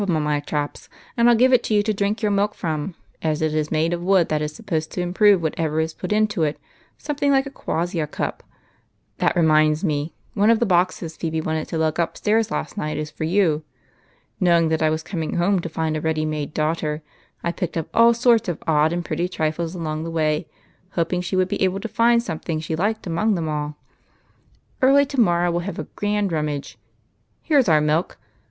among my traps, and I '11 give it to you to drink your milk in, as it is made of wood that is supposed to improve whatever is put into it, — something like a quassia cup. That reminds me ; one of the boxes Phebe wanted to lug upstairs last night is for you. Knowing that I was coming home to find a ready made daughter, I picked up all sorts of odd and pretty trifles along the way, hoping she would be able to find something she liked among them all. Early to morrow we '11 have a grand rum mage. Here 's our milk !